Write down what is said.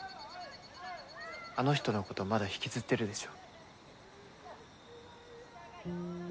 あの人のことまだ引きずってるでしょ？